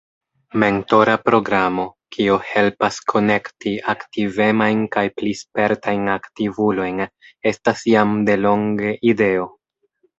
Mentora programo, kio helpas konekti aktivemajn kaj pli spertajn aktivulojn estas jam delonge ideo.